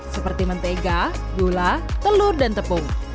seperti mentega gula telur dan tepung